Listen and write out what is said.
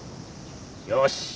よし。